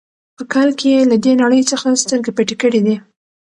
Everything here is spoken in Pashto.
په کال کې یې له دې نړۍ څخه سترګې پټې کړې دي.